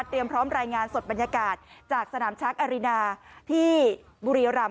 พร้อมรายงานสดบรรยากาศจากสนามช้างอารินาที่บุรีรำ